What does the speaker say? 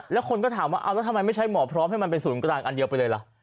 แล้วคนก็ถามว่าเอาแล้วทำไมไม่ใช้หมอพร้อมให้มันเป็นศูนย์กลางอันเดียวไปเลยล่ะ